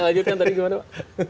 lanjutkan tadi gimana pak